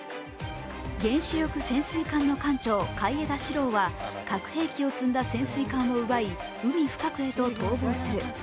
原子力潜水艦の艦長、海江田四郎は核兵器を積んだ潜水艦を奪い、海深くへと逃亡する。